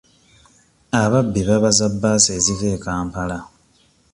Ababbi babaza bbaasi eziva e Kampala